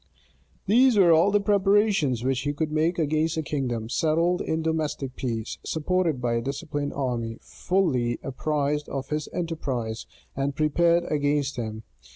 These were all the preparations which he could make against a kingdom, settled in domestic peace, supported by a disciplined army, fully apprised of his enterprise, and prepared against him.